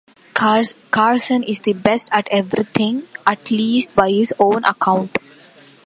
Karlsson is the best at everything, at least by his own account.